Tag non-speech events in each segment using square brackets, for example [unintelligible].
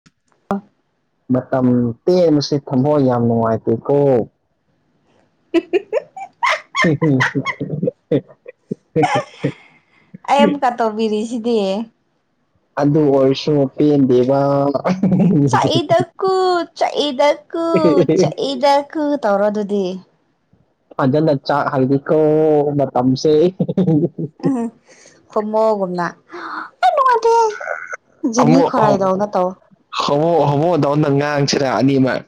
[inaudible] ꯃꯇꯝ ꯇꯦꯟꯕꯁꯤ ꯊꯝꯃꯣꯏ ꯌꯥꯝ ꯅꯨꯡꯉꯥꯏꯇꯦꯀꯣ [unintelligible] [unintelligible] ꯑꯩ ꯑꯃꯨꯛꯀ ꯇꯧꯕꯤꯔꯤꯁꯤꯗꯤ ꯑꯗꯨ ꯑꯣꯏꯔꯁꯨ ꯄꯦꯟꯗꯦꯕ [unintelligible] ꯆꯥꯛꯏꯗꯀꯣ ꯆꯥꯛꯏꯗꯀꯣ ꯆꯥꯛꯏꯗꯀꯣ ꯇꯧꯔꯣ ꯑꯗꯨꯗꯤ ꯐꯖꯅ ꯆꯥꯛꯍꯜꯂꯤꯀꫭ ꯇꯝꯁꯦ ꯎꯝ ꯍꫭꯃꯣꯒꯨꯝꯅ ꯌꯥꯝ ꯅꯨꯉꯥꯏꯇꯦ ꯖꯦꯅꯤ ꯈꯨꯔꯥꯏꯗꯧꯅ ꯇꯧ ꯍꯧꯉꯣ ꯍꯧꯉꯣ ꯗꯧꯅ ꯉꯥꯡꯁꯤꯔ ꯑꯅꯤꯃꯛ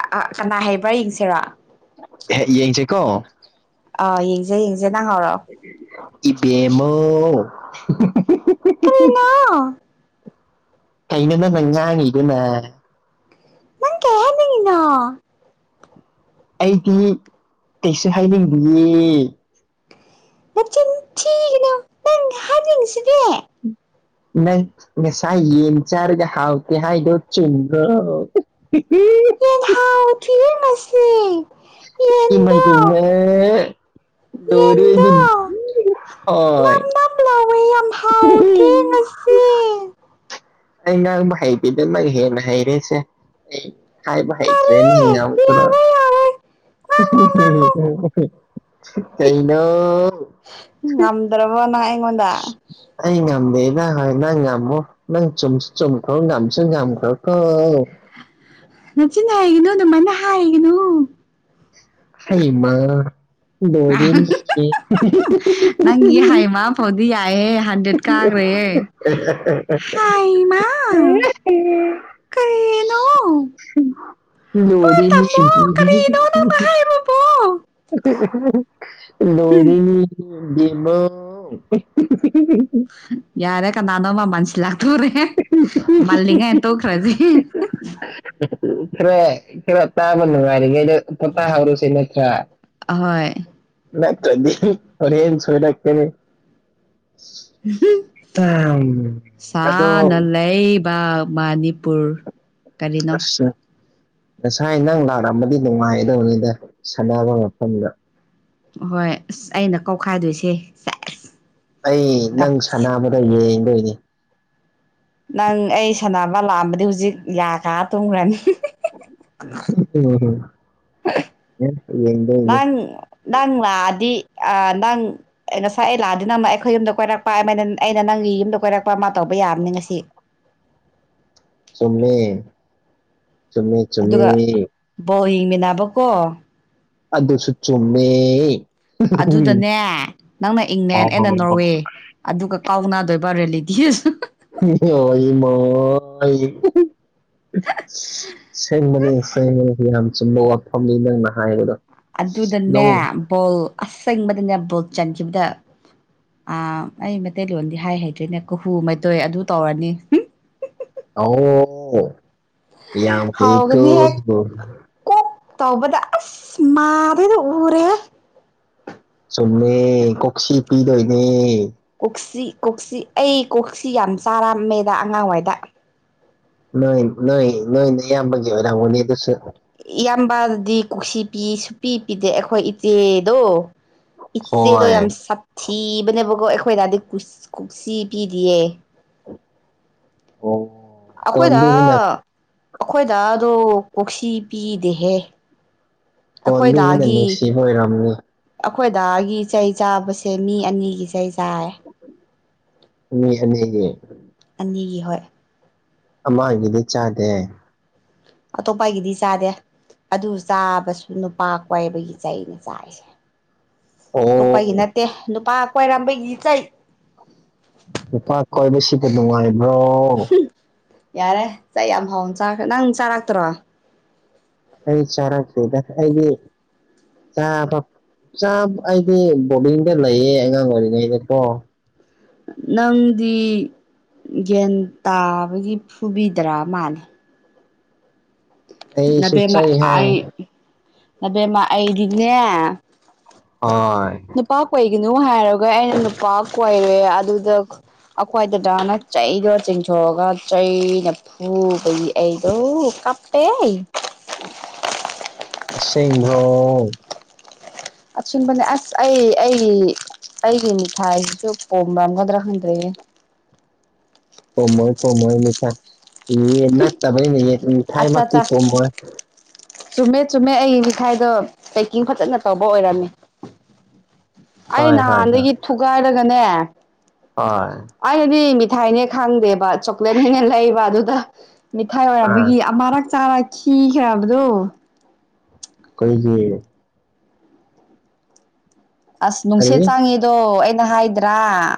ꯑꯥ ꯀꯅꯥ ꯍꯩꯕ ꯌꯦꯡꯁꯤꯔ ꯍꯦ ꯌꯦꯡꯁꯤꯀꯣ ꯑꯥ ꯌꯦꯡꯖꯦ ꯌꯦꯡꯖꯦ ꯅꯪ ꯍꯧꯔꯛꯑꯣ ꯏꯕꯦꯝꯃꯥꯎ [unintelligible] ꯀꯔꯤꯅꯣ ꯀꯩꯅꯣ ꯅꯪꯅ ꯉꯥꯡꯉꯤꯗꯨꯅ ꯅꯪ ꯀꯩ ꯍꯥꯢꯅꯤꯡ ꯉꯤꯅꯣ ꯑꯩꯗꯤ ꯀꯩꯁꯨ ꯍꯥꯏꯅꯤꯡꯗꯤꯌꯦ ꯅꯆꯤꯟ ꯊꯤꯒꯅꯨ ꯅꯪ ꯍꯥꯏꯅꯤꯡꯉꯤꯁꯤꯗꯦ ꯅꯪ ꯉꯁꯥꯏ ꯌꯦꯟ ꯆꯥꯔꯒ ꯍꯥꯎꯇꯦ ꯍꯥꯏꯗꯣ ꯆꯨꯝꯕ꯭ꯔꯣ ꯍꯤꯍꯤ ꯌꯦꯟ ꯍꯥꯎ ꯊꯤꯌꯦ ꯉꯁꯤ ꯌꯦꯟꯗꯣ ꯏꯃꯥꯢꯕꯦꯝꯃꯥ ꯌꯦꯟꯗꯣ ꯅꯞ [unintelligible] ꯅꯞ ꯂꯥꯎꯋꯦ ꯌꯥꯝ ꯍꯥꯎꯇꯦ [unintelligible] ꯉꯁꯤ ꯑꯩ ꯉꯥꯡꯕ ꯍꯩꯇꯦꯗ ꯅꯪ ꯍꯦꯟ ꯍꯩꯔꯦꯁꯦ ꯑꯩ ꯍꯥꯢꯕ ꯍꯩꯇ꯭ꯔꯦ ꯀꯔꯤ ꯃꯤꯅ ꯉꯥꯡꯉꯛꯄꯗ ꯌꯥꯔꯦ ꯌꯥꯔꯦ ꯉꯥꯡꯉꯣ ꯉꯥꯡꯉꯣ [unintelligible] ꯀꯩꯅꯣ ꯍꯨꯝ ꯉꯝꯗ꯭ꯔꯕꯣ ꯅꯪ ꯑꯩꯉꯣꯟꯗ ꯑꯩ ꯉꯝꯗꯦꯕ ꯅꯪ ꯉꯝꯃꯣ ꯅꯪ ꯆꯨꯝꯁꯨ ꯆꯨꯝꯈ꯭ꯔꯣ ꯉꯝꯁꯨ ꯉꯝꯈ꯭ꯔꯣꯀꯣ ꯅꯆꯤꯟꯅ ꯍꯥꯏꯒꯅꯨ ꯗꯨꯃꯥꯢꯅ ꯍꯥꯏꯒꯅꯨ ꯍꯩꯃꯥ ꯂꯣꯢꯔꯦꯅꯦꯁꯦ [unintelligible] ꯅꯪꯒꯤ ꯍꯥꯢꯃ ꯐꯧꯗꯤ ꯌꯥꯢꯌꯦ ꯍꯟ ꯗꯦꯗ ꯀꯥꯒ꯭ꯔꯦꯍꯦ ꯍꯥꯢꯃꯥ ꯍꯨꯝ ꯄꯣꯏ ꯂꯣꯢꯔꯦ ꯃꯤ ꯇꯝꯃꯣ ꯀꯔꯤꯅꯣ ꯅꯪꯅ [unintelligible] ꯍꯥꯏꯕꯕꯣ [unintelligible] ꯍꯨꯝ ꯂꯣꯏꯔꯦꯅꯦ ꯕꯦꯝꯃꯧ [unintelligible] ꯌꯥꯔꯦ ꯀꯅꯥꯅꯣꯃ ꯃꯥꯟꯁꯤꯜꯂꯛꯇꯣꯔꯦ [unintelligible] ꯃꯥꯜꯂꯤꯉꯥꯢ ꯇꯣꯛꯈ꯭ꯔꯖꯦ ꯈꯔ ꯈꯔ ꯇꯥꯕ ꯅꯨꯡꯉꯥꯢꯔꯤꯉꯩꯗ ꯐꯄꯥ ꯍꯧꯔꯁꯤ ꯅꯠꯇ꯭ꯔꯥꯥ ꯑꯍꯣꯏ ꯅ ꯇ ꯗꯤ ꯍꯣꯔꯦꯟ ꯁꯣꯏꯔꯛ ꯀꯅꯤ [unintelligible] ꯑꯗꯣ ꯁꯥꯅ ꯂꯩ ꯕꯥꯛ ꯃꯅꯤꯄꯨꯔ ꯀꯔꯤꯅꯣ ꯑꯁ ꯉꯁꯥꯏ ꯅꯪ ꯂꯥꯔꯝꯃꯗꯤ ꯅꯨꯡꯉꯥꯏꯗꯧꯅꯤꯗ ꯁꯥꯟꯅꯕ ꯃꯐꯝꯗ ꯍꯣꯏ ꯑꯁ ꯑꯩꯅ ꯀꯧꯈꯥꯏꯗꯣꯏꯁꯦ ꯁꯥ ꯑꯩ ꯅꯪ ꯁꯅꯥꯕꯗꯣ ꯌꯦꯡꯗꯣꯏꯅꯤ ꯅꯪ ꯑꯩ ꯁꯥꯟꯅꯕ ꯂꯥꯛꯑꯝꯃꯗꯤ ꯍꯨꯖꯤꯛ ꯌꯥ ꯀꯥ ꯇꯨꯝꯈ꯭ꯔꯅꯤ [unintelligible] [unintelligible] [unintelligible] ꯌꯦꯡꯗꯣꯏꯅꯤ ꯅꯪ ꯅꯪ ꯂꯥꯛꯑꯗꯤ ꯑꯥ ꯅꯪ ꯑꯩ ꯉꯁꯥꯏ ꯑꯩ ꯂꯥꯛꯑꯗꯤ ꯅꯪꯅ ꯑꯩꯈꯣꯏ ꯌꯨꯝꯗ ꯀꯣꯏꯔꯛꯄ ꯑꯦꯝꯃꯅ ꯑꯩꯅ ꯅꯪꯒꯤ ꯌꯨꯝꯗ ꯀꯣꯏꯔꯛꯄ ꯑꯃ ꯇꯧꯕ ꯌꯥꯕꯅꯦ ꯉꯁꯤ ꯆꯨꯝꯃꯦ ꯆꯨꯝꯃꯦ ꯆꯨꯝꯃꯦ ꯑꯗꯨꯒ ꯕꯣꯜ ꯌꯦꯡ ꯃꯤꯟꯅꯥꯕꯀꯣ ꯑꯗꯨꯁꯨ ꯆꯨꯝꯃꯦ ꯑꯗꯨꯗꯅꯦ ꯅꯪꯅ ꯏꯪꯂꯦꯟ ꯑꯩꯅ ꯅꯣꯔꯋꯦ ꯑꯗꯨꯒ ꯀꯥꯎꯅꯗꯣꯏꯕ ꯔꯦꯜꯂꯤꯇꯤꯗꯁꯨ [unintelligible] ꯁꯤ ꯁꯦꯡꯕꯅꯤ ꯁꯦꯡꯕꯅꯤ ꯌꯥꯝ ꯆꯨꯝꯕ ꯋꯥꯐꯝꯅꯤ ꯅꯪꯅ ꯍꯥꯏꯗꯣ ꯑꯗꯨꯗꯅꯦ ꯕꯣꯜ ꯑꯁꯦꯡꯕꯗꯅꯦ ꯕꯣꯜ ꯆꯟꯈꯤꯕꯗ ꯑꯥ ꯑꯩ ꯃꯩꯇꯩꯂꯣꯟꯗꯤ ꯍꯥꯏ ꯍꯩꯇ꯭ꯔꯦꯅꯦ ꯀꯨꯍꯨ ꯃꯩꯇꯣꯏ ꯑꯗꯨ ꯇꯧꯔꯅꯤ ꯍꯝ ꯑꯣ ꯌꯥꯝ ꯍꯥꯎꯒꯅꯤꯍꯦ ꯍꯩꯀꯣꯁꯨ ꯀꯣꯛ ꯇꯧꯕꯗ ꯑꯁ ꯃꯥꯗꯩꯗ ꯎꯔꯦꯍꯦ ꯆꯨꯝꯃꯦ ꯀꯣꯛꯁꯤ ꯄꯤꯗꯣꯏꯅꯦ ꯀꯣꯛꯁꯤ ꯀꯣꯛꯁꯤ ꯑꯩ ꯀꯣꯛꯁꯤ ꯌꯥꯝ ꯆꯥꯔꯝꯃꯦꯗ ꯑꯉꯥꯡꯋꯥꯏꯗ ꯅꯣꯏ ꯅꯣꯏ ꯅꯣꯏ ꯅꯌꯥꯝꯕꯒꯤ ꯑꯣꯏꯔꯝꯒꯅꯤ ꯑꯗꯨꯁꯨ ꯏꯌꯥꯝꯕꯗꯗꯤ ꯀꯣꯛꯁꯤ ꯄꯤ ꯁꯨꯄꯤ ꯄꯤꯗꯦ ꯑꯩꯈꯣꯏ ꯏꯆꯦꯗꯣ ꯏꯆꯦꯗꯣ ꯌꯥꯝ ꯍꯣꯏ ꯁꯥꯠꯊꯤꯕꯅꯦꯕꯀꯣ ꯑꯩꯈꯣꯏ ꯗꯥꯗꯤ ꯀꯨꯁ ꯀꯣꯛꯁꯤ ꯄꯤꯗꯤꯌꯦ ꯑꯣ ꯑꯈꯣꯏꯗꯥ ꯇꯣꯟꯕꯤꯁꯤꯅ ꯑꯈꯣꯏ ꯗꯥꯗꯣ ꯀꯣꯛꯁꯤ ꯄꯤꯗꯦꯍꯦ ꯄꯣꯟꯕꯤꯅ ꯅꯨꯡꯁꯤꯕ ꯑꯣꯏꯔꯝꯅꯤ ꯑꯩꯈꯣꯏ ꯗꯥꯒꯤ ꯆꯩ ꯆꯥꯕꯁꯦ ꯃꯤ ꯑꯅꯤꯒꯤ ꯆꯩ ꯆꯥꯏ ꯃꯤ ꯑꯅꯤꯒꯤ ꯑꯅꯤꯒꯤ ꯍꯣꯏ ꯑꯃꯥꯒꯤꯗꯤ ꯆꯥꯗꯦ ꯑꯇꯣꯞꯄꯒꯤꯗꯤ ꯆꯥꯗꯦ ꯑꯗꯨ ꯆꯥꯕꯁꯨ ꯅꯨꯄꯥ ꯀꯣꯏꯕꯒꯤ ꯆꯩꯅꯦ ꯆꯥꯔꯤꯁꯦ ꯇꯣꯞꯄꯒꯤ ꯑꯣ ꯅꯠꯇꯦ ꯅꯨꯄꯥ ꯀꯣꯏꯔꯝꯕꯒꯤ ꯆꯩ ꯅꯨꯄꯥ ꯀꯣꯏꯕ ꯁꯤꯕꯨ ꯅꯨꯡꯉꯥꯏꯕ꯭ꯔꯣ ꯌꯥꯔꯦ ꯆꯩ ꯌꯥꯝ ꯍꯥꯎꯅ ꯆꯥꯈ꯭ꯔꯦ ꯅꯪ ꯆꯥꯔꯛꯇ꯭ꯔꯣ ꯑꯩ ꯆꯥꯔꯛꯇꯦꯗ ꯑꯩꯗꯤ ꯆꯥꯐꯞ ꯆꯥꯝ ꯑꯩꯗꯤ ꯕꯣꯔꯗꯤꯡꯗ ꯂꯩꯌꯦ ꯑꯉꯥꯡ ꯑꯣꯏꯔꯤꯉꯩꯗꯀꯣ ꯅꯪꯗꯤ ꯒꯦꯟ ꯇꯥꯕꯒꯤ ꯐꯨꯕꯤꯗ꯭ꯔꯥ ꯃꯥꯂꯦ ꯑꯩꯁꯨ ꯅꯕꯦꯝꯃꯥ ꯆꯩ ꯑꯥꯏ ꯍꯥꯏꯕ ꯅꯕꯦꯝꯃꯥ ꯑꯩꯗꯤꯅꯦ ꯍꯣꯏ ꯅꯨꯄꯥ ꯀꯣꯏꯒꯅꯨ ꯍꯥꯏꯔꯒ ꯑꯩꯅ ꯅꯨꯄꯥ ꯀꯣꯏꯔꯦ ꯑꯗꯨꯗ ꯑꯩꯈꯣꯏ ꯗꯥꯗꯥꯅ ꯆꯩꯗꯣ ꯆꯤꯡꯊꯣꯑꯒ ꯆꯩꯅ ꯐꯨꯕꯒꯤ ꯑꯩꯗꯣ ꯀꯞꯄꯦ ꯑꯁꯦꯡꯕ꯭ꯔꯣ ꯑꯆꯨꯝꯕꯅꯦ ꯑꯁ ꯑꯩ ꯑꯩꯒꯤ ꯑꯩꯒꯤ ꯃꯤꯊꯥꯏꯁꯤꯁꯨ ꯄꯣꯝꯔꯝꯒꯗ꯭ꯔꯥ ꯈꯪꯗ꯭ꯔꯦꯍꯦ ꯄꯨꯝꯃꯣꯏ ꯄꯨꯝꯃꯣꯏ ꯃꯤꯊꯥꯏ ꯌꯦꯟ ꯅꯠꯇꯕꯩꯅꯦ ꯌꯦ ꯃꯤꯊꯥꯏ ꯑꯠꯆꯥ ꯃꯛꯇꯤ ꯑꯠꯆꯥ ꯄꯨꯝꯃꯣꯏ ꯆꯨꯝꯃꯦ ꯆꯨꯝꯃꯦ ꯑꯩ ꯃꯤꯊꯥꯏꯗꯣ ꯄꯦꯛꯀꯤꯡ ꯐꯖꯅ ꯇꯧꯕ ꯑꯣꯏꯔꯝꯃꯦ ꯑꯩ ꯍꯣꯏ ꯍꯣꯏ ꯍꯣꯏ ꯅꯍꯥꯟꯗꯒꯤ ꯊꯨꯒꯥꯏꯔꯒꯅꯦ ꯍꯣꯏ ꯑꯩꯅꯗꯤ ꯃꯤꯊꯥꯏꯅꯦ ꯈꯪꯗꯦꯕ ꯆꯣꯀ꯭ꯂꯦꯠꯅꯦꯅ ꯂꯩꯕ ꯑꯗꯨꯗ ꯃꯤꯊꯥꯏ ꯑꯥ ꯑꯣꯏꯔꯝꯕꯒꯤ ꯑꯃꯥꯔꯛ ꯆꯥꯔ ꯈꯤꯈ꯭ꯔꯕꯗꯣ ꯀꯩꯒꯤ ꯑꯁ ꯀꯔꯤ ꯅꯨꯡꯁꯤꯠ ꯆꯪꯉꯤꯗꯣ ꯑꯩꯅ ꯍꯥꯏꯗ꯭ꯔꯥ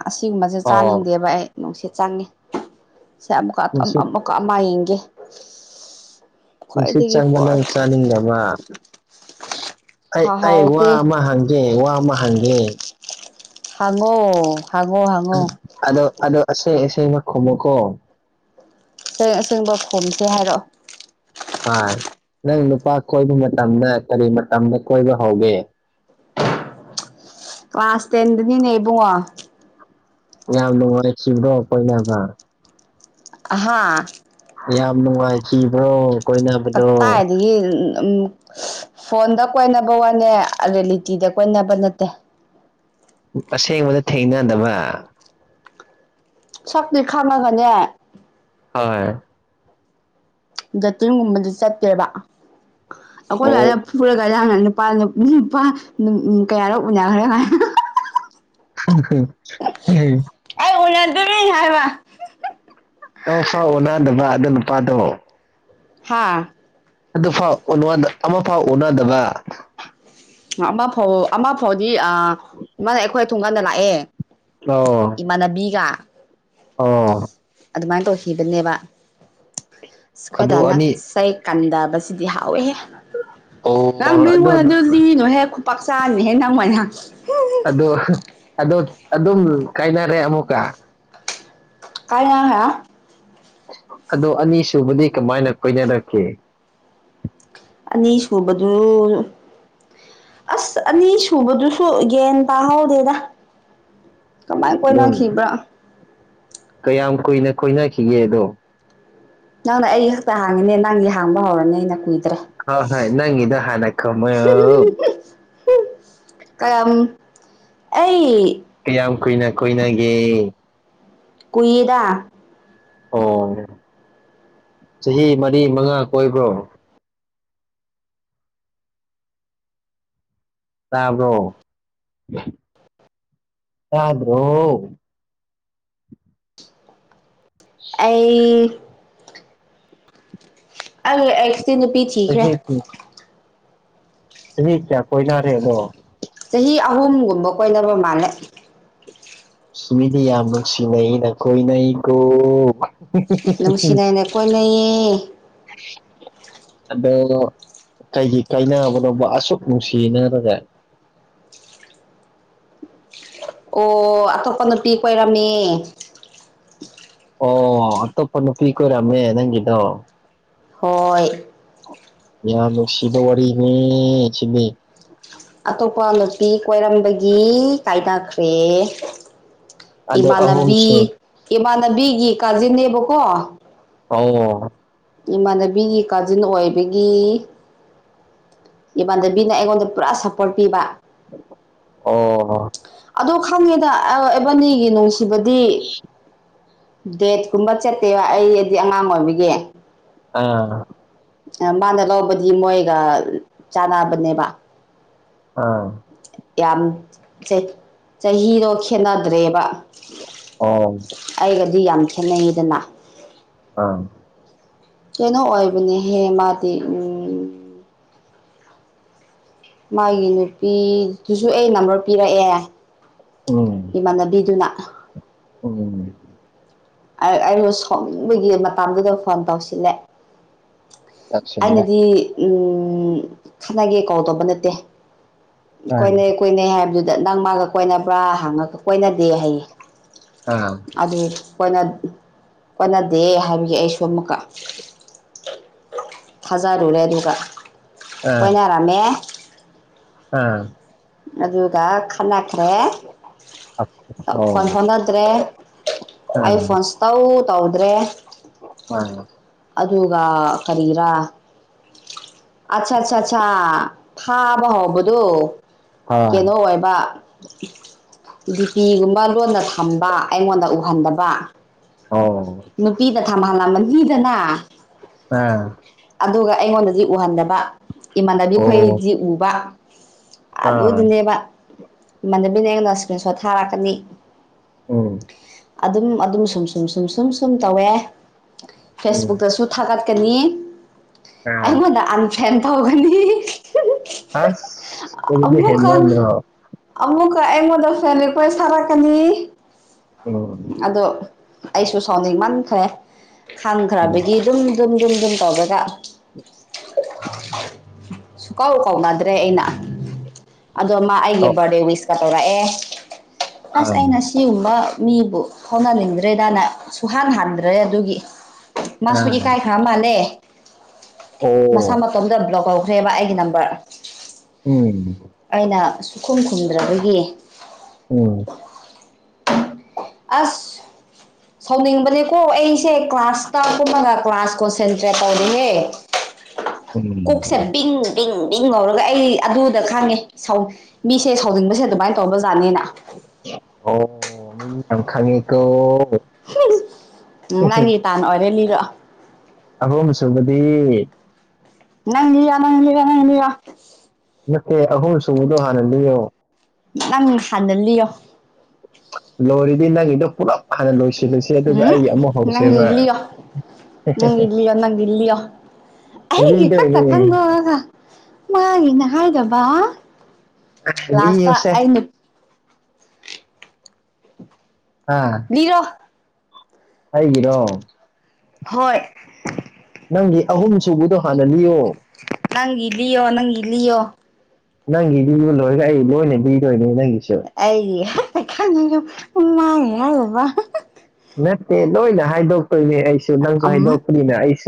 ꯑꯁꯤꯒꯨꯝꯕꯁꯦ ꯑꯣ ꯆꯥꯅꯤꯡꯗꯦꯕ ꯑꯩ ꯅꯨꯡꯁꯤꯠ ꯆꯪꯉꯦ ꯁꯦ ꯑꯃꯨꯛꯀ ꯑꯥ ꯑꯝ ꯅꯨꯡꯁꯤꯠ ꯑꯝ ꯑꯃꯨꯛꯀ ꯑꯃꯥ ꯌꯦꯡꯒꯦ ꯅꯨꯡꯁꯤꯠ ꯈ꯭ꯋꯥꯏꯗꯒꯤ ꯆꯪꯕ ꯐꯣꯔ ꯅꯪ ꯆꯥꯅꯤꯡꯗꯕ ꯑꯩ ꯍꯥꯎ ꯑꯩ ꯋꯥ ꯍꯥꯎꯇꯦ ꯑꯃꯥ ꯍꯪ ꯑꯦ ꯋꯥ ꯑꯃꯥ ꯍꯪꯉꯦ ꯍꯪꯉꯣ ꯍꯪꯉꯣ ꯍꯪꯉꯣ ꯑꯗꯣ ꯑꯗꯣ ꯑꯁꯦ ꯑꯁꯦꯡꯕ ꯈꯨꯝꯃꯨ ꯀꯣ ꯑꯁꯦꯡ ꯑꯁꯦꯡꯕ ꯈꯨꯝꯁꯦ ꯍꯥꯏꯔꯛꯑꯣ ꯑꯥ ꯅꯪ ꯅꯨꯄꯥ ꯀꯣꯏꯕ ꯃꯇꯝꯗ ꯀꯔꯤ ꯃꯇꯝꯗ ꯀꯣꯏꯕ ꯍꯧꯒꯦ ꯀ꯭ꯂꯥꯁ ꯇꯦꯟꯗꯅꯤꯅꯦ ꯏꯕꯨꯡꯉꯣ ꯌꯥꯝ ꯅꯨꯡꯉꯥꯏꯈꯤꯕ꯭ꯔꯣ ꯀꯣꯏꯅꯕ ꯑꯍꯥꯥ ꯌꯥꯝ ꯅꯨꯡꯉꯥꯏꯈꯤꯕ꯭ꯔꯣ ꯀꯣꯏꯅꯕꯗꯣ ꯀꯠꯇꯥꯏ ꯒꯤ ꯎꯝ ꯐꯣꯟꯗ ꯀꯣꯏꯅꯕ ꯋꯥꯅꯦ ꯑꯔꯦꯂꯤꯇꯤꯗ ꯀꯣꯏꯅꯕ ꯅꯠꯇꯦ ꯑꯁꯦꯡꯕꯗ ꯊꯦꯡꯅꯗꯕ ꯁꯛꯇꯤ ꯈꯪꯉꯒꯅꯦ ꯍꯣꯏ ꯗꯦꯇꯤꯡꯒꯨꯝꯕꯗꯤ ꯆꯠꯇꯦꯕ ꯑꯈꯣꯏ ꯁ꯭ꯋꯥꯏꯗ ꯑꯣ ꯐꯨꯔꯒ ꯅꯪꯅ ꯅꯨꯄꯥ ꯎꯝ ꯅꯨꯄꯥ ꯅꯨꯝ ꯎꯝ ꯀꯌꯥꯔꯣ ꯎꯅꯈ꯭ꯔꯦ ꯀꯥꯏꯅ [unintelligible] ꯑꯩ ꯎꯅꯗ꯭ꯔꯤ ꯍꯥꯏꯕ [unintelligible] ꯐꯥꯎ ꯎꯅꯥꯗꯕ ꯑꯗꯨ ꯅꯨꯄꯥꯗꯣ ꯍꯥꯥ ꯑꯗꯨꯐꯥꯎ ꯑꯣꯟ ꯋꯥꯟꯗ ꯑꯃ ꯐꯥꯎ ꯎꯅꯗꯕ ꯑꯃ ꯐꯥꯎ ꯑꯃ ꯐꯥꯎꯗꯤ ꯑꯥ ꯃꯥꯅ ꯑꯩꯈꯣꯏ ꯊꯣꯡꯒꯥꯟꯗ ꯂꯥꯛꯑꯦ ꯀ꯭ꯂꯣ ꯏꯃꯥꯟꯅꯕꯤꯒꯥ ꯑꯣ ꯑꯗꯨꯃꯥꯏꯟ ꯇꯣꯈꯤꯕꯅꯦꯕ ꯏꯁ ꯑꯗꯣ ꯈꯣꯏꯗꯥꯅ ꯑꯅꯤ ꯆꯩ ꯀꯟꯗꯕꯁꯤꯗꯤ ꯍꯥꯎꯋꯦꯍꯦ ꯑꯣ ꯑꯗꯣ [unintelligible] ꯊꯤꯅꯣꯍꯦ ꯈꯨꯄꯥꯛ ꯆꯥꯔꯅꯤꯍꯦ ꯅꯪ ꯑꯣꯏꯅ ꯑꯗꯣ ꯑꯗꯣ ꯑꯗꯨꯝ ꯀꯥꯏꯅꯔꯦ ꯑꯃꯨꯛꯀꯥ ꯀꯥꯏꯅꯍꯦ ꯑꯗꯣ ꯑꯅꯤꯁꯨꯨꯕꯗꯤ ꯀꯃꯥꯏꯅ ꯀꯣꯏꯅꯔꯛꯀꯦ ꯑꯅꯤꯁꯨꯕꯗꯨ ꯑꯁ ꯑꯅꯤ ꯁꯨꯕꯗꯨꯁꯨ ꯒꯦꯟ ꯇꯥꯍꯧꯗꯦꯗ ꯀꯃꯥꯏ ꯑꯗꯨꯝ ꯀꯣꯏꯅꯈꯤꯕ꯭ꯔꯥ ꯀꯌꯥꯝ ꯀꯨꯏꯅ ꯀꯣꯏꯅꯈꯤꯒꯦ ꯑꯗꯣ ꯅꯪꯅ ꯑꯩ ꯈꯛꯇꯥ ꯍꯥꯡꯉꯤꯅꯦ ꯅꯪꯒꯤ ꯍꯥꯡꯕ ꯍꯧꯔꯅꯤ ꯑꯩꯅ ꯀꯨꯏ ꯍꯣ ꯍꯣꯏ ꯅꯪꯒꯤꯗꯨ ꯍꯥꯟꯅ ꯈꯨꯝꯃꯣꯏꯔꯣ ꯀꯌꯥꯝ ꯑꯩ ꯀꯌꯥꯝ ꯀꯨꯏꯅ ꯀꯣꯏꯅꯒꯦ ꯀꯨꯏꯗꯥ ꯑꯣ ꯆꯍꯤ ꯃꯔꯤ ꯃꯉꯥ ꯀꯣꯏꯕ꯭ꯔꯣ ꯇꯥꯕ꯭ꯔꯣ ꯇꯥꯗ꯭ꯔꯣ ꯑꯩ ꯑꯩ ꯑꯦꯛꯁꯇꯤ ꯅꯨꯄꯤ ꯊꯤ ꯆꯍꯤ ꯀꯨꯟ ꯆꯍꯤ ꯀꯌꯥ ꯀꯣꯏꯅ ꯔꯦꯗꯣ ꯆꯍꯤ ꯑꯍꯨꯝꯒꯨꯝꯕ ꯀꯣꯏꯅꯕ ꯃꯥꯜꯂꯦ ꯏꯁ ꯃꯤꯗꯤ ꯌꯥꯝ ꯅꯨꯡꯁꯤꯅꯩ ꯅ ꯀꯣꯏꯅꯩ ꯀꯣ ꯅꯨꯡꯁꯤ ꯅꯥꯅ ꯀꯣꯏꯅꯩꯌꯦ [inaudible] ꯑꯗꯣ ꯀꯩꯒꯤ ꯀꯥꯏꯅꯕꯅꯣꯕ ꯑꯁꯨꯛ ꯅꯨꯡꯁꯤꯅꯔꯒ ꯑꯣ ꯑꯇꯣꯞꯄ ꯅꯨꯄꯤ ꯀꯣꯏꯔꯝꯃꯦ ꯑꯣ ꯑꯇꯣꯞꯄ ꯅꯨꯄꯤ ꯀꯣꯏꯔꯝꯃꯦ ꯅꯪꯒꯤꯗꯣ ꯍꯣꯏ ꯌꯥꯝ ꯅꯨꯡꯁꯤꯕ ꯋꯥꯔꯤꯅꯤ ꯁꯤꯗꯤ ꯑꯇꯣꯞꯄ ꯅꯨꯄꯤ ꯀꯣꯏꯔꯝꯕꯒꯤ ꯀꯥꯏꯅꯈ꯭ꯔꯦ ꯑꯗꯣ ꯏꯃꯥꯟꯅꯕꯤ ꯑꯍꯨꯝꯁꯨ ꯏꯃꯥꯟꯅꯕꯤꯒꯤ ꯀꯥꯖꯤꯟꯅꯦꯕꯀꯣ ꯑꯧꯋꯣ ꯏꯃꯥꯟꯅꯕꯤꯒꯤ ꯀꯥꯖꯤꯟ ꯑꯣꯏꯕꯒꯤ ꯏꯃꯥꯟꯗꯕꯤꯅ ꯑꯩꯉꯣꯟꯗ ꯄꯨꯔꯥ ꯁꯞꯄꯣꯔꯠ ꯄꯤꯕ ꯑꯣ ꯑꯣ ꯍꯣ ꯑꯗꯨ ꯈꯪꯉꯦꯗ ꯑꯥ ꯑꯦꯕꯥꯅꯤꯒꯤ ꯅꯨꯡꯁꯤꯕꯗꯤ ꯗꯦꯠ ꯀꯨꯝꯕ ꯆꯠꯇꯦꯕ ꯑꯩ ꯑꯗꯤ ꯑꯉꯥꯡ ꯑꯣꯏꯕꯒꯤ ꯑꯥ ꯑꯥ ꯃꯥꯅ ꯂꯧꯕꯗꯤ ꯃꯣꯏꯒ ꯆꯥꯟꯅꯕꯅꯦꯕ ꯑꯥ ꯌꯥꯝ ꯆꯩ ꯆꯍꯤꯗꯣ ꯈꯦꯠꯅꯗ꯭ꯔꯦꯕ ꯑꯣ ꯑꯩꯒꯗꯤ ꯌꯥꯝ ꯈꯦꯠꯅꯩꯗꯅ ꯑꯥ ꯀꯩꯅꯣ ꯑꯣꯏꯕꯅꯦꯍꯦ ꯃꯥꯗꯤ ꯎꯝ ꯃꯥꯒꯤ ꯅꯨꯄꯤꯗꯨꯁꯨ ꯑꯩ ꯅꯝꯕꯔ ꯄꯤꯔꯛꯑꯦꯍꯥꯏ ꯎꯝ ꯏꯃꯥꯟꯅꯕꯤꯗꯨꯅ ꯎꯝ ꯑꯩ ꯑꯩꯩꯅ ꯁꯥꯎꯅꯤꯡꯕꯒꯤ ꯃꯇꯥꯝꯗꯨꯗ ꯐꯣꯟ ꯇꯧꯁꯤꯜꯂꯦ ꯇꯞꯁꯤꯜꯂꯦ ꯑꯩꯅꯗꯤ ꯎꯝ ꯈꯠꯅꯒꯦ ꯀꯧꯜꯇꯧꯕ ꯅꯠꯇꯦ ꯑꯥ ꯀꯣꯏꯅꯩ ꯀꯣꯏꯅꯩ ꯍꯥꯏꯕꯗꯨꯗ ꯅꯪ ꯃꯥꯒ ꯀꯣꯏꯅꯕ꯭ꯔꯥ ꯍꯪꯉꯒ ꯀꯣꯏꯅꯗꯦ ꯍꯥꯌꯦ ꯑꯥ ꯑꯗꯨ ꯀꯣꯏꯅꯠ ꯀꯣꯟꯅꯗꯦ ꯍꯥꯏꯕꯒꯤ ꯑꯩꯁꯨ ꯑꯃꯨꯛꯀ ꯊꯥꯖꯔꯨꯔꯦ ꯑꯗꯨꯒ ꯑꯥ ꯀꯣꯏꯅꯔꯝꯃꯦ ꯑꯥ ꯑꯗꯨꯒ ꯈꯠꯅꯈ꯭ꯔꯦ ꯑꯥ ꯐꯣꯟ ꯑꯣ ꯐꯥꯎꯅꯗ꯭ꯔꯦ ꯑꯥ ꯑꯩ ꯐꯣꯟ ꯁꯨꯇꯧ ꯇꯧꯗ꯭ꯔꯦ ꯑꯥ ꯑꯗꯨꯒ ꯀꯔꯤꯔꯥ ꯑꯠꯁꯥ ꯁꯥ ꯁꯥ ꯐꯥꯕ ꯍꯥꯎꯕꯗꯣ ꯀꯦꯅꯣ ꯑꯣ ꯑꯣꯏꯕ ꯗꯤꯄꯤꯒꯨꯝꯕ ꯂꯣꯟꯅ ꯊꯝꯕ ꯑꯩꯉꯣꯟꯗ ꯎꯍꯟꯗꯕ ꯑꯧ ꯅꯨꯄꯤꯗ ꯊꯝꯍꯜꯂꯥꯃꯅꯤꯗꯅ ꯑꯥ ꯑꯗꯨꯒ ꯑꯩꯉꯣꯟꯗꯗꯤ ꯎꯍꯟꯗꯕ ꯑꯣ ꯏꯃꯥꯟꯅꯕꯤꯈꯣꯏꯗꯤ ꯎꯕ ꯑꯥ ꯑꯗꯨꯗꯤꯅꯦꯕ ꯏꯃꯥꯟꯅꯕꯤꯅ ꯑꯩꯉꯣꯟ ꯏꯁꯀ꯭ꯔꯤꯟ ꯁꯣꯠ ꯊꯥꯔꯛꯀꯅꯤ ꯎꯝ ꯑꯗꯨꯝ ꯑꯗꯨꯝ ꯁꯨꯝ ꯁꯨꯝ ꯁꯨꯝ ꯁꯨꯝ ꯁꯨꯝ ꯇꯧꯋꯦ ꯎꯝ ꯐꯦꯁꯕꯨꯛꯇꯁꯨ ꯊꯥꯒꯠꯀꯅꯤ ꯑꯥ ꯑꯩꯉꯣꯟꯗ ꯑꯟꯐ꯭ꯔꯦꯟ ꯇꯧꯒꯅꯤ ꯑꯁ ꯑꯗꯨꯗꯤ ꯑꯃꯨꯀ ꯍꯦꯟꯃꯟꯗ꯭ꯔꯣ ꯑꯃꯨꯀ ꯑꯩꯉꯣꯟꯗ ꯐꯦꯟ ꯔꯤꯀ꯭ꯋꯦꯁ ꯊꯥꯔꯛꯀꯅꯤ ꯎꯝ ꯑꯗꯣ ꯑꯩꯁꯨ ꯁꯥꯎꯅꯤꯡ ꯃꯟꯈ꯭ꯔꯦ ꯎꯝ ꯈꯟꯈ꯭ꯔꯕꯒꯤ ꯗꯨꯝ ꯗꯨꯝ ꯗꯨꯝ ꯗꯨꯝ ꯇꯧꯕꯒ ꯁꯨꯀꯥꯎ ꯀꯥꯎꯅꯗ꯭ꯔꯦ ꯑꯩꯅ ꯑꯗꯣ ꯃꯥ ꯑꯩꯒꯤ ꯑꯣ ꯕꯥꯔꯗꯦ ꯋꯤꯁꯀ ꯇꯧꯔꯛꯑꯦ ꯑꯁ ꯑꯥ ꯑꯩꯅ ꯁꯤꯒꯨꯝꯕ ꯃꯤꯕꯨ ꯐꯥꯎꯅꯅꯤꯡꯗ꯭ꯔꯦꯗꯥꯅ ꯁꯨꯍꯥꯟ ꯍꯟꯗ꯭ꯔꯦ ꯑꯗꯨꯒꯤ ꯃꯥꯁꯨꯨ ꯑꯥ ꯏꯀꯥꯏꯈ꯭ꯔ ꯃꯥꯜꯂꯦ ꯃꯁꯥ ꯑꯣ ꯃꯇꯣꯝꯗ ꯕ꯭ꯂꯣꯛ ꯇꯧꯈ꯭ꯔꯦꯕ ꯑꯩꯒꯤ ꯅꯝꯕꯔ ꯎꯝ ꯑꯩꯅ ꯁꯨꯈꯨꯝ ꯈꯨꯝꯗ꯭ꯔꯕꯒꯤ ꯎꯝ ꯑꯁ ꯁꯥꯎꯅꯤꯡꯕꯅꯦꯀꯣ ꯑꯩꯁꯦ ꯀ꯭ꯂꯥꯁꯇ ꯀꯨꯝꯃꯒ ꯀ꯭ꯂꯥꯁ ꯀꯣꯟꯁꯦꯟꯇ꯭ꯔꯦꯠ ꯇꯧꯋꯦꯍꯦ ꯎꯝ ꯀꯣꯛꯁꯦ ꯕꯤꯡ ꯄꯤꯡ ꯄꯤꯡ ꯂꯥꯎꯔꯒ ꯑꯩ ꯑꯗꯨꯗ ꯈꯪꯉꯦ ꯁꯧ ꯃꯤꯁꯦ ꯁꯧꯅꯤꯡꯕꯁꯦ ꯑꯗꯨꯃꯥꯏꯅ ꯇꯧꯕ ꯖꯥꯠꯅꯤꯅ ꯑꯣ ꯃꯤ ꯌꯥꯝ ꯈꯪꯉꯤꯀꯣ ꯅꯪꯒꯤ ꯇꯥꯟ ꯑꯣꯏꯔꯦ ꯂꯤꯔꯛꯑꯣ ꯑꯍꯨꯝꯁꯨꯨꯕꯗꯤ [unintelligible] ꯅꯠꯇꯦ ꯑꯍꯨꯝ ꯁꯨꯕꯗꯣ ꯍꯥꯟꯅ ꯂꯤꯌꯣ ꯅꯪ ꯍꯥꯟꯅ ꯂꯤꯌꯣ ꯂꯣꯏꯔꯤꯗꯤ ꯅꯪꯒꯤꯗꯣ ꯄꯨꯂꯞ ꯍꯥꯟꯅ ꯂꯣꯏꯁꯤꯜꯂꯁꯤ ꯎꯝ ꯅꯪꯒꯤ ꯂꯤꯌꯣ ꯅꯪꯒꯤ ꯂꯤꯌꯣ ꯅꯪꯒꯤ ꯂꯤꯌꯣ ꯑꯩꯒꯤ ꯈꯛꯇ ꯂꯤꯗꯣꯏꯅꯦ ꯈꯪꯗꯣꯛꯑꯒ [unintelligible] ꯃꯥꯒꯤꯅ ꯍꯥꯏꯗꯕ ꯂꯥꯁꯇ ꯂꯤꯌꯨꯁꯦ ꯑꯩꯅ ꯑꯥ ꯂꯤꯔꯣ ꯑꯩꯒꯤꯔꯣ ꯍꯣꯏ ꯅꯪꯒꯤ ꯑꯍꯨꯝ ꯁꯨꯕꯗꯣ ꯍꯥꯟꯅ ꯂꯤꯌꯣ ꯅꯪꯒꯤ ꯂꯤꯌꯣ ꯅꯪꯒꯤ ꯂꯤꯌꯣ ꯅꯪꯒꯤ ꯂꯤꯕ ꯂꯣꯏꯔꯒ ꯑꯩ ꯂꯣꯏꯅ ꯂꯤꯗꯣꯏꯅꯦ ꯅꯪꯒꯤꯁꯨ ꯑꯩꯒꯤ ꯈꯟꯁꯨ ꯃꯥꯡꯉꯦ ꯍꯥꯏꯂꯕ [unintelligible] ꯅꯠꯇꯦ ꯂꯣꯏꯅ ꯍꯥꯏꯗꯣꯛꯇꯣꯏꯅꯦ ꯑꯩꯁꯨ ꯅꯪꯁꯨ ꯎꯝ ꯍꯥꯏꯗꯣꯛꯄꯅꯤꯅ ꯑꯩꯁꯨ